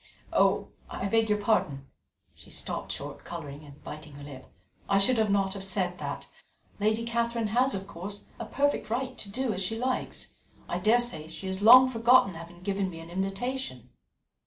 Oh! I beg your pardon " she stopped short, colouring and biting her lip "I should not have said that. Lady Catherine has, of course, a perfect right to do as she likes. I daresay she has long forgotten having given me an invitation."